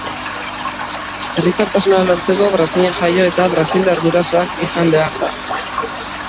Herritartasuna lortzeko, Brasilen jaio eta brasildar gurasoak izan behar da.